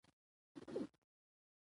د کور هر غړی باید د اوبو سپما کي ونډه واخلي.